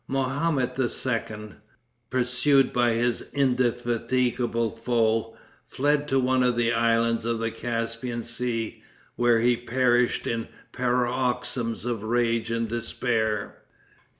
Mahomet II., pursued by his indefatigable foe, fled to one of the islands of the Caspian Sea, where he perished in paroxysms of rage and despair.